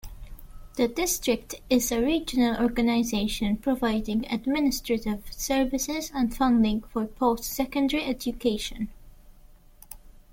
The district is a regional organization providing administrative services and funding for post-secondary education.